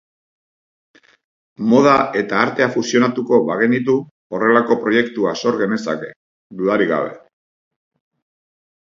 Moda eta artea fusionatuko bagenitu horrelako proiektua sor genezake, dudarik gabe.